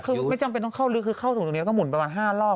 คือไม่จำเป็นต้องเข้าลึกคือเข้าสู่ตรงนี้ต้องหุ่นประมาณ๕รอบ